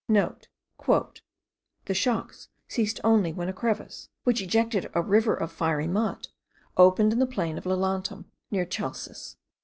*(* "The shocks ceased only when a crevice, which ejected a river of fiery mud, opened in the plain of Lelantum, near Chalcis."